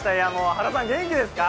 原さん、元気ですか。